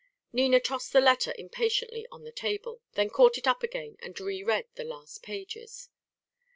Nina tossed the letter impatiently on the table, then caught it up again and re read the last pages.